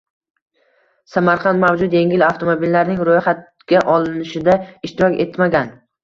Samarqand mavjud yengil avtomobillarning roʻyxatga olinishida ishtirok etganman.